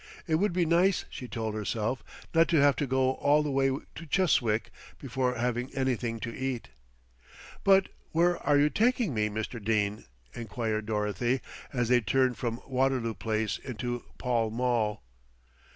It would be nice, she told herself, not to have to go all the way to Chiswick before having anything to eat. "But where are you taking me, Mr. Dene?" enquired Dorothy, as they turned from Waterloo Place into Pall Mall.